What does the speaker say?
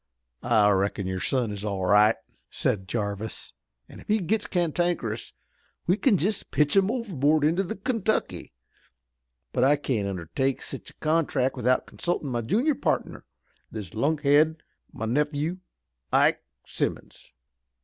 "I reckon your son is all right," said Jarvis, "an' if he gits cantankerous we kin just pitch him overboard into the Kentucky. But I can't undertake sich a contract without consultin' my junior partner, this lunkhead, my nephew, Ike Simmons.